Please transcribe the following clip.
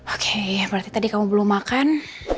oke berarti tadi kamu belum makan